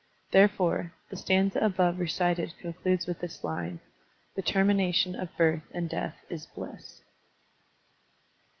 Therefore, the stanza above recited concludes with this line: "The termination of birth and death is bliss.'